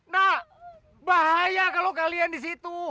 nah bahaya kalau kalian disitu